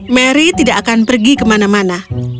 mary tidak akan pergi kemana mana